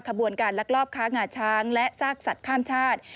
ขบวนการลักลอบค้างาช้างและซากสัตว์ข้ามชาติ